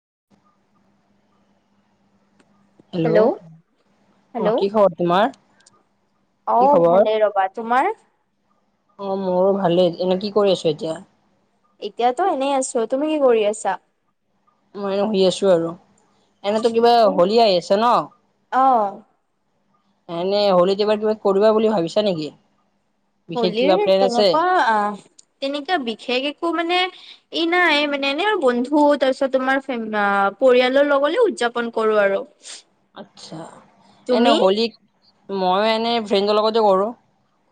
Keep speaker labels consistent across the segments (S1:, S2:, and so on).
S1: [unintelligible]
S2: Hello!
S1: Hello
S2: কোৱা কি খবৰ তোমাৰ?
S1: অ
S2: কি খবৰ?
S1: ভালে ৰবা তোমাৰ
S2: অ মোৰো ভাল ভালে। এনে কি কৰি আছো এতিয়া?
S1: এতিয়াতো এনেই আছো। তুমি কি কৰি আছা?
S2: মই শুই আছো আৰু এনেতো কিবা
S1: এ
S2: হলি আহি আছে ন।
S1: অ
S2: এনেই হলিত ইবাৰ কিবা কিবা কৰিবা বুলি ভাবিছা নেকি? বিশেষ কিবা
S1: হলীৰ
S2: প্লেন আছে
S1: তেনেকুৱা অ তেনেকুৱা বিশেষ একো মানে ই নাই মানে এনে আৰু বন্ধু তাৰপিছত তোমাৰ পৰিয়ালৰ লগলে উদযাপন কৰো আৰু।
S2: আচ্ছা।
S1: তুমি
S2: মইয়ো এনেই ফ্ৰেণ্ডৰ লগতে কৰোঁ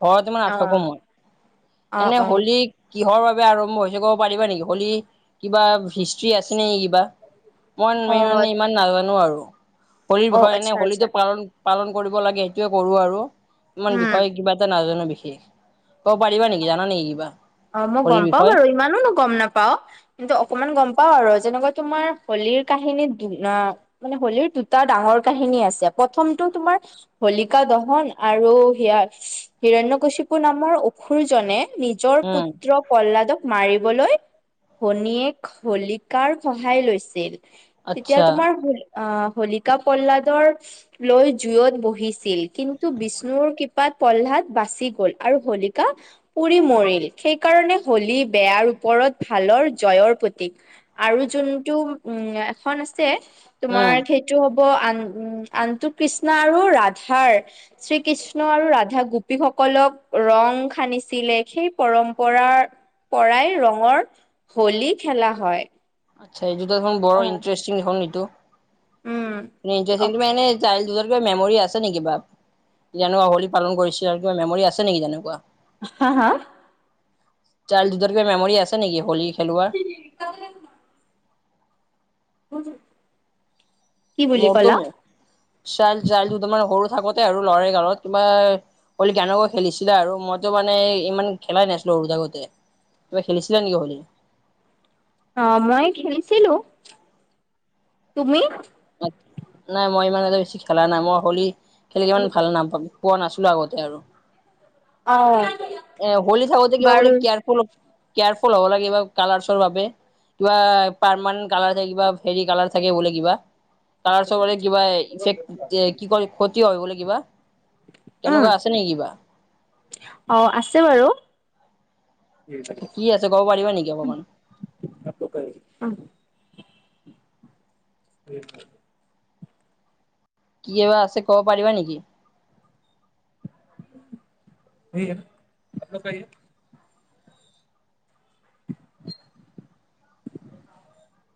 S2: অ তোমাৰ আছোঁ ক মই
S1: অ
S2: এনে
S1: অ
S2: হলী কিহৰ বাবে আৰম্ভ হৈছে এনেকুৱা পাৰিবা নেকি হোলী কিবা হিষ্ট্ৰি আছে নে কিবা মই
S1: অ
S2: ম মানে ইমান নাজানো আৰু হোলীৰ
S1: অ
S2: বিষয়ে এনেই
S1: আচ্ছা আচ্ছা
S2: হোলীটো পালন পালন কৰিব লাগে সেইটোৱে কৰো আৰু ইমান
S1: উম
S2: বিষযে কিবা এটা নাজানো বিশেষ ক'ব পাৰিবা নেকি জানা নেকি কিবা
S1: অ মই গম
S2: হোলীৰ
S1: পাও
S2: বিষয়ে
S1: বাৰু ইমানো গম নাপাও কিন্তু অকমান গম পাও পাও আৰু যেনেকুৱা তোমাৰ হোলীৰ কাহিনী মানে হলীৰ দুটা ডাঙৰ কাহিনী আছে প্ৰথমটো তোমাৰ হোলিকা দহন আৰু হিয়াৰ হিৰণ্য কশিকুৰ নামৰ অসুৰজনে নিজৰ
S2: উম
S1: পুত্ৰ প্ৰল্লাদক মাৰিব বলৈ ভনীয়েক হলিকাৰ সহায় লৈছিল তেতিয়া
S2: আচ্ছা
S1: তোমাৰ ভুল অ হলিকা প্ৰহ্লাদৰ লৈ জুইত বহিছিল কিন্তু বিষ্ণুৰ কৃপাত পল্লাদ বাচি গল আৰু হোলিকা পুৰি মৰিল সেইকাৰণে হলী বেয়াৰ ওপৰত ভালৰ জয়ৰ প্ৰতীক আৰু যোনটো উম এখন আছে তোমাৰ
S2: উম
S1: সেইটো হব হব আন উম আনটো কৃষ্ণ আৰু ৰাধাৰ শ্ৰী কৃষ্ণ আৰু ৰাধা গোপী ভক্ত সকলক ৰং সানিছিলে সেই পৰম্পৰাৰ পৰাই ৰঙৰ হোলী খেলা হয়।
S2: আচ্ছা এইটো দেখোন বৰ
S1: অ'।
S2: ইণ্টাৰেষ্টিং হল এইটো
S1: উম, অকে
S2: এনে সাইডল কিবা কিবা মেমৰি আছে নেকি কিবা যেনেকুৱা হোলী পালন কৰিছিল আৰু কিবা মেমৰী আছে নেকি তেনেকুৱা।
S1: হা হা
S2: চাইল্ড হুদৰ কিবা মেম'ৰি আছে নেকি হলী
S1: [unintelligible] [unintelligible]
S2: মোৰতো
S1: ক'লা?
S2: চাইল্ড চাইল্ডহুড মানে সৰু থাকোতে আৰু লৰালি কালত তোমাৰ [unintelligible] কেনেকৈ খেলিছিলা? আৰু মইতো মানে ইমান খেলাই নাছিলো সৰু থাকোতে। কিবা খেলিছিলা নেকি হলি?
S1: অ' মই খেলিছিলো। তুমি?
S2: নাই মই ইমান এ বেছি খেলা নাই, মই হলি খেলি ইমান ভাল নাপাওঁ পোৱা নাছি লো আগতে আৰু,
S1: অ'
S2: এ হলি থাকোতে কিবা বোলে
S1: বাৰু
S2: কেয়াৰফুল কেয়াৰফুল হ'ব লাগে বা কালাৰছৰ বাবে, কিবা পাৰমান্ট কালাৰ থাকিবা ফেৰী কালাৰ থাকে বলে কিবা। তাৰ চবৰে কিবা চেক কি কয় ক্ষতি হয় বোলে কিবা।
S1: আহ
S2: তেনেকুৱা আছে নেকি কিবা?
S1: অহ আছে বাৰু।
S2: কি আছে ক'ব পাৰিবা নেকি অকমান?
S1: [unintelligible] [unintelligible]
S2: কিয় বা আছে ক'ব পাৰিবা নেকি?
S1: সিয়ে, আপলৌগ কাৰিয়ে। [inaudible]